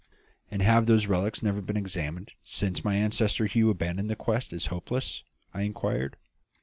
"And have those relics never been examined since my ancestor Hugh abandoned the quest as hopeless?" I inquired.